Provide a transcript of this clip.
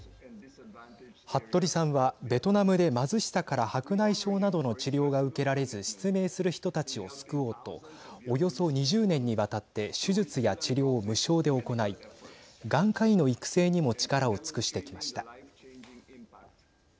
服部さんは、ベトナムで貧しさから白内障などの治療が受けられず失明する人たちを救おうとおよそ２０年にわたって手術や治療を無償で行い眼科医の育成にも力を尽くしてきました。